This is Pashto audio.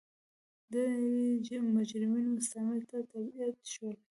ډېری مجرمین مستعمرو ته تبعید شول.